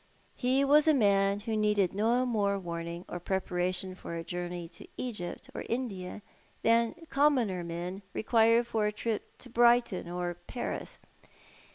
He was a man who needed no more warning or preparation for a journey to Egypt or India than commoner men require for a trip to Brighton or Paris.